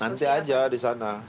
nanti aja di sana